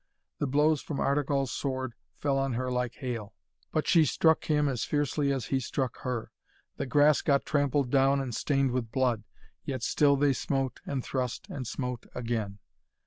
The blows from Artegall's sword fell on her like hail, but she struck him as fiercely as he struck her. The grass got trampled down and stained with blood, yet still they smote and thrust and smote again.